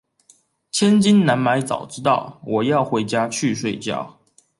千金難買早知道，我要回家去睡覺